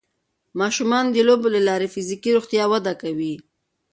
ماشومان د لوبو له لارې د فزیکي روغتیا وده کوي.